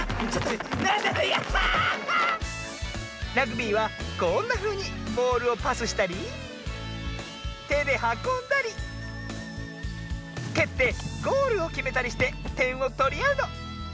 ラグビーはこんなふうにボールをパスしたりてではこんだりけってゴールをきめたりしててんをとりあうの。